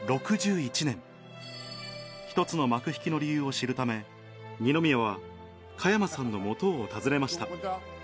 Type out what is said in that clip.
６１年一つの幕引きの理由を知るため二宮は加山さんの元を訪ねました